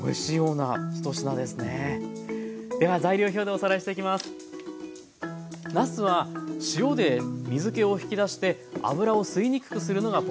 なすは塩で水けを引き出して油を吸いにくくするのがポイントです。